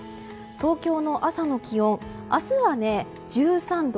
東京の朝の気温、明日は１３度。